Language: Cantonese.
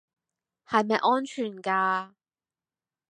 係咪安全㗎